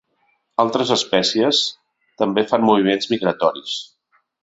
Altres espècies també fan moviments migratoris.